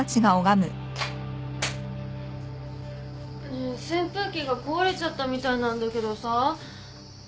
ねえ扇風機が壊れちゃったみたいなんだけどさ。